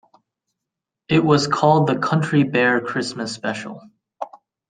It was called The Country Bear Christmas Special.